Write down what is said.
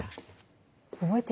覚えてる？